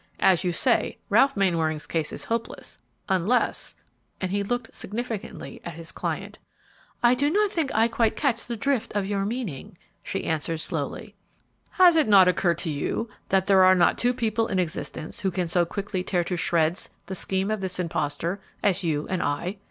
As you say, Ralph Mainwaring's case is hopeless, unless " and he looked significantly at his client. "I do not think I quite catch the drift of your meaning," she answered, slowly. "Has it not occurred to you that there are not two people in existence who can so quickly tear to shreds the scheme of this impostor as you and I?